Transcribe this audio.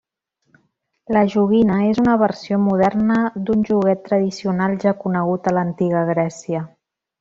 La joguina és una versió moderna d'un joguet tradicional ja conegut a l'antiga Grècia.